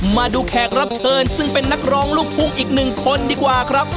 แขกรับเชิญซึ่งเป็นนักร้องลูกทุ่งอีกหนึ่งคนดีกว่าครับ